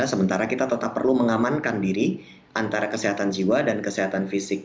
sementara kita tetap perlu mengamankan diri antara kesehatan jiwa dan kesehatan fisik